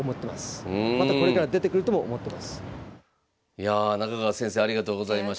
いやあ中川先生ありがとうございました。